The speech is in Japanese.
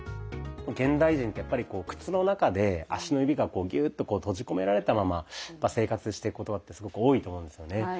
現代人ってやっぱり靴の中で足の指がこうギューッと閉じ込められたまま生活してることってすごく多いと思うんですよね。